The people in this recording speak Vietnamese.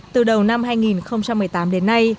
từ đầu năm hai nghìn một mươi tám đến nay